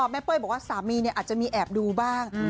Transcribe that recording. แม่เป้าใช่แบบว่าสามีงานอาจจะมีแอบดูแบบนี้บ้าง